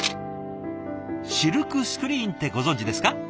シルクスクリーンってご存じですか？